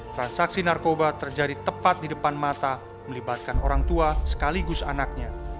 transaksi narkoba terjadi tepat di depan mata melibatkan orang tua sekaligus anaknya